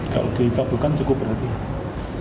kalau dikabulkan cukup berarti